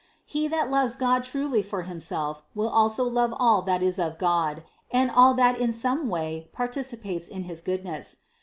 He that loves God truly for Himself will also love all that is of God and all that in some way partici pates in his goodness.